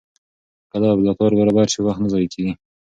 که لابراتوار برابر سي، وخت نه ضایع کېږي.